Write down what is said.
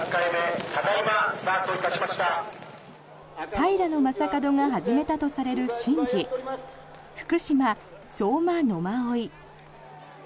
平将門が始めたとされる神事福島・相馬野馬追。